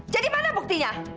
jadi mana buktinya